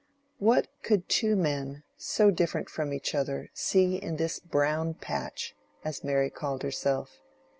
What could two men, so different from each other, see in this "brown patch," as Mary called herself?